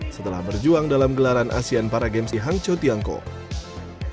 setelah berjuang dalam gelaran asean paragames di hangzhou tiangkou